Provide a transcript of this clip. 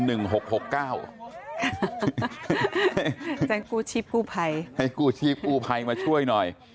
แจ้งกู้ชีพกู้ภัยให้กู้ชีพกู้ภัยมาช่วยหน่อย